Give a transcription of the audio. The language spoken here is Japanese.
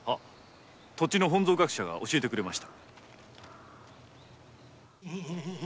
土地の本草学者が教えてくれました。